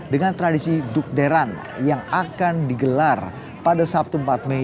dengan tradisi dukderan yang akan digelar pada sabtu empat mei